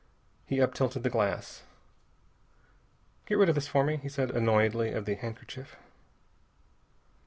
He up tilted the glass. "Get rid of this for me," he said annoyedly of the handkerchief.